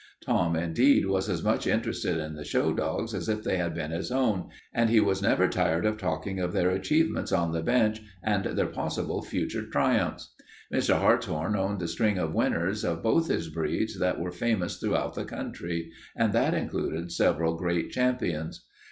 Tom, indeed, was as much interested in the show dogs as if they had been his own and he was never tired of talking of their achievements on the bench and of their possible future triumphs. Mr. Hartshorn owned a string of winners of both his breeds that were famous throughout the country and that included several great champions.